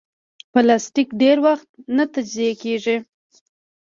پلاستيک ډېر وخت نه تجزیه کېږي.